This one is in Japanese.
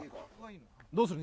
どうする？